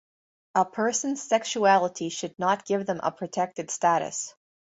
A person's sexuality should not give them a protected status.